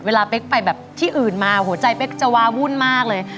เป๊กไปแบบที่อื่นมาหัวใจเป๊กจะวาวุ่นมากเลย